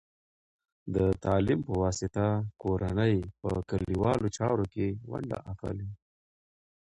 د تعلیم په واسطه، کورنۍ په کلیوالو چارو کې ونډه اخلي.